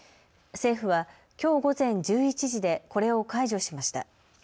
政府は、きょう午前１１時でこれを解除しました。